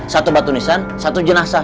satu batu nisan satu jenazah